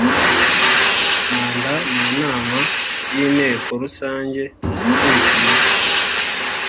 manda mu nama y inteko rusange ikurikiyeho